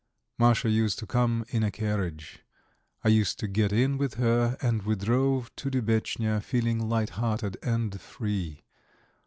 Masha used to come in a carriage; I used to get in with her, and we drove to Dubetchnya, feeling light hearted and free.